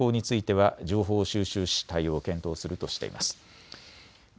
その後の便の運航については情報を収集し対応を検討するとしてます。